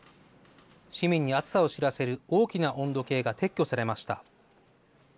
市民に暑さを知らせる大きな温度計が撤去されました。